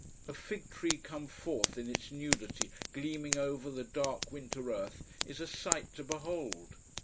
A fig tree come forth in its nudity gleaming over the dark winter earth is a sight to behold.